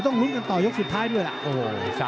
ลุ้นกันต่อยกสุดท้ายด้วยล่ะ